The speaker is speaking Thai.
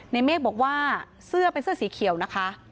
เมฆบอกว่าเสื้อเป็นเสื้อสีเขียวนะคะ